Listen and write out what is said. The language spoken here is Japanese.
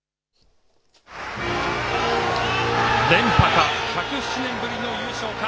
連覇か、１０７年ぶりの優勝か。